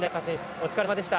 お疲れさまでした。